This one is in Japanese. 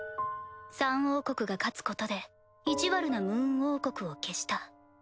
サン王国が勝つことでいじわるなムーン王国を消した。